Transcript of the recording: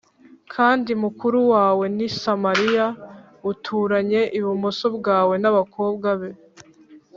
Kandi mukuru wawe ni Samariya uturanye ibumoso bwawe n’abakobwa be